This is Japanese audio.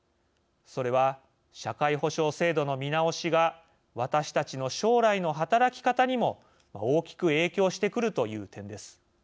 それは、社会保障制度の見直しが私たちの将来の働き方にも大きく影響してくるという点です。